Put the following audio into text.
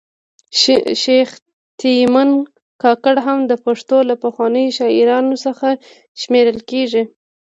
شیخ تیمن کاکړ هم د پښتو له پخوانیو شاعرانو څخه شمېرل کیږي